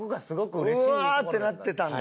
うわー！ってなってたんだ。